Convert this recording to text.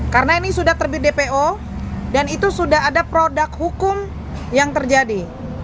karena ini sudah terbit dpo dan itu sudah ada produk hukum yang terjadi